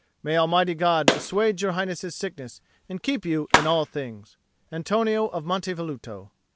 May Almighty God assuage Your Highness's sickness and keep you in all things. ANTONIO of Monte Velluto."